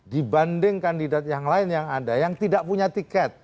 dibanding kandidat yang lain yang ada yang tidak punya tiket